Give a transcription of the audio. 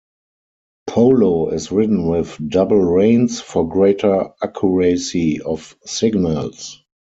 Polo is ridden with double reins for greater accuracy of signals.